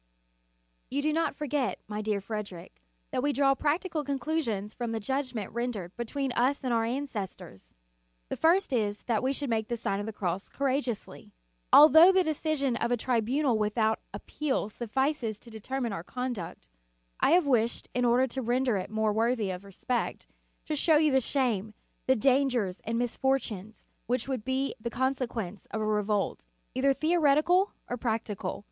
You do not forget, my dear Frederic, that we draw practical conclusions from the judgment rendered between us and our an cestors. The first is, that we should make the Sign of the Cross courageously. Although the decision of a tribunal without appeal suffices to determine our conduct, I have wished, in order to render it more worthy of respect, to show you the shame, the dangers and misfortunes which would be the consequence of a revolt, either theoretical or practical.